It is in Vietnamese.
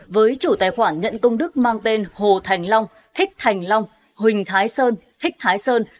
với chủ tài khoản nhận công đức mang tên hồ thành long thích thành long huỳnh thái sơn thích thái sơn